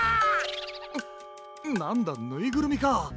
うっなんだぬいぐるみか。